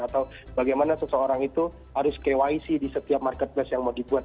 atau bagaimana seseorang itu harus kyc di setiap marketplace yang mau dibuat